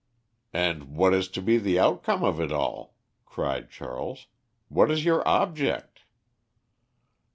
"And what is to be the outcome of it all?" cried Charles. "What is your object?"